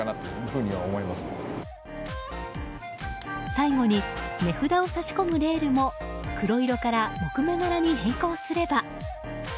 最後に値札を差し込むレールも黒色から木目柄に変更すれば。